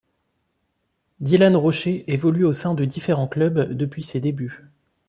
Dylan Rocher évolue au sein de différents clubs depuis ses débuts.